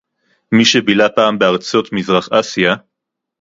מי שבילה פעם בארצות מזרח אסיה